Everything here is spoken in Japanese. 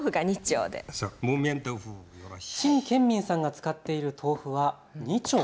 陳建民さんが使っている豆腐は２丁。